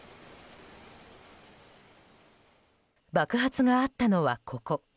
爆発があったのは、ここ。